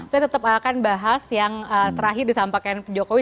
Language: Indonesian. saya tetap akan bahas yang terakhir disampaikan jokowi